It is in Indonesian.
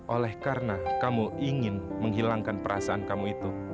oleh karena kamu ingin menghilangkan perasaan kamu itu